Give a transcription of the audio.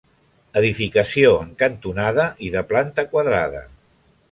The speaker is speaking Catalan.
Edificació en cantonada i de planta quadrada.